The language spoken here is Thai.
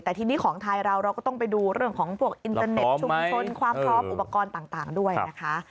แต่ทีนี้ของไทยเราเราก็ต้องไปดูเรื่องของพวกอินเตอร์เน็ตชุมชนความพร้อมอุปกรณ์ต่างด้วยนะคะ